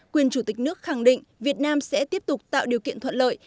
quyền chủ tịch nước khẳng định việt nam sẽ tiếp tục tạo điều kiện thuận lợi